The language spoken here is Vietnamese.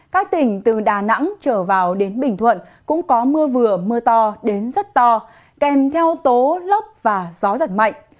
các tỉnh từ đà nẵng trở vào đến bình thuận cũng có mưa vừa mưa to đến rất to kèm theo tố lốc và gió giật mạnh